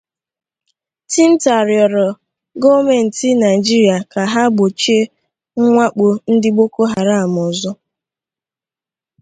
Timta rịọrọ gọọmentị Naịjirịa ka ha gbochie mwakpo ndị Boko Haram ọzọ.